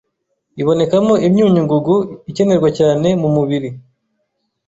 Bibonekamo imyunyungugu ikenerwa cyane mu mubiri